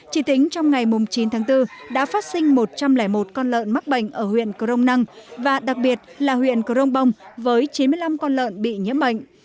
chỉ tính trong ngày chín tháng bốn đã phát sinh một trăm linh một con lợn mắc bệnh ở huyện crong năng và đặc biệt là huyện crong bông với chín mươi năm con lợn bị nhiễm bệnh